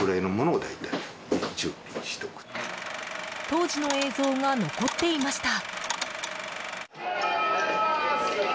当時の映像が残っていました。